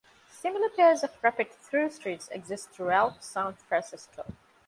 Similar pairs of rapid through-streets exist throughout San Francisco.